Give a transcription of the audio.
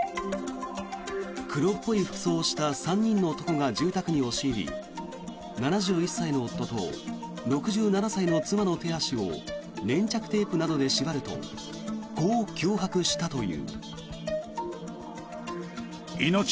黒っぽい服装をした３人の男が住宅に押し入り７１歳の夫と６７歳の妻の手足を粘着テープなどで縛るとこう脅迫したという。